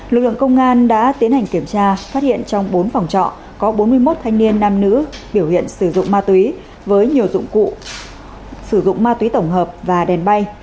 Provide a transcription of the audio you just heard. lực lượng công an đã tiến hành kiểm tra phát hiện trong bốn phòng trọ có bốn mươi một thanh niên nam nữ biểu hiện sử dụng ma túy với nhiều dụng cụ sử dụng ma túy tổng hợp và đèn bay